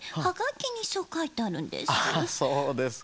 そうですか。